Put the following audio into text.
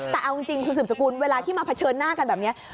แต่เอาจริงคุณสืบสกุลเวลาที่มาเผชิญหน้ากันแบบนี้